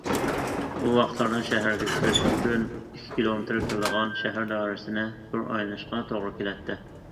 ئۇ ۋاقىتلاردا شەھەرگە كىرىش ئۈچۈن، ئىككى كىلومېتىر كېلىدىغان شەھەر دائىرىسىنى بىر ئايلىنىشقا توغرا كېلەتتى.